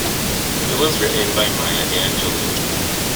It was written by Maya Angelou.